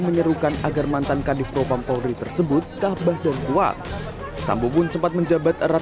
menyerukan agar mantan kadif propam polri tersebut tabah dan kuat sambu pun sempat menjabat erat